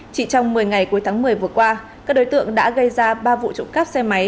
chỉ trong một mươi ngày cuối tháng một mươi vừa qua các đối tượng đã gây ra ba vụ trộm cắp xe máy